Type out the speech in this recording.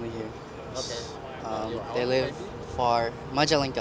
mereka tinggal di majalengga